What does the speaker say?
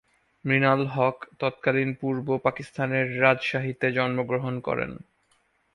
মৃণাল হক তৎকালীন পূর্ব পাকিস্তানের রাজশাহীতে জন্ম গ্রহণ করেন।